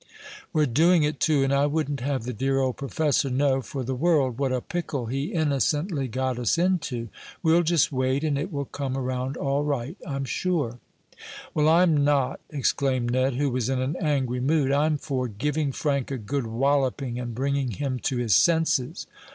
"We're doing it, too, and I wouldn't have the dear old professor know, for the world, what a pickle he innocently got us into. We'll just wait, and it will come around all right, I'm sure." "Well, I'm not!" exclaimed Ned, who was in an angry mood. "I'm for giving Frank a good walloping, and bringing him to his senses."